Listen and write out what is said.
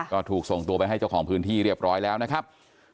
ก็ถูกส่งตัวไปให้เจ้าของพื้นที่เรียบร้อยแล้วนะครับ